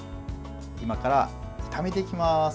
今から炒めていきます。